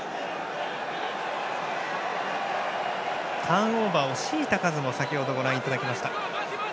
ターンオーバーを強いた数も先程ご覧いただきました。